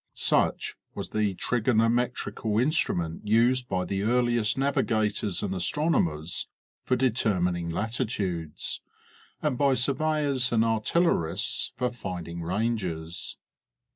Such was the trigonometrical instrument used by the earliest navigators and astronomers for determining latitudes, and by surveyors and artillerists for finding ranges.